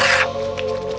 maka cepat uruslah